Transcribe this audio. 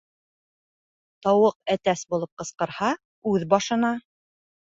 Тауыҡ әтәс булып ҡысҡырһа, үҙ башына.